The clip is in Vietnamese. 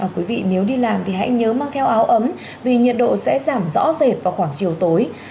quý vị nếu đi làm thì hãy nhớ mang theo áo ấm vì nhiệt độ sẽ giảm rõ rệt vào khoảng chiều tối